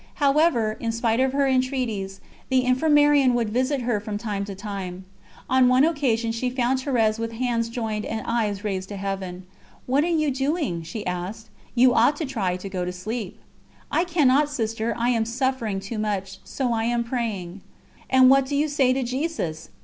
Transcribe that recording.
However, in spite of her entreaties, the Infirmarian would visit her from time to time. On one occasion she found Thérèse with hands joined and eyes raised to Heaven. "What are you doing?" she asked; "you ought to try and go to sleep." "I cannot, Sister, I am suffering too much, so I am praying. ..." "And what do you say to Jesus?"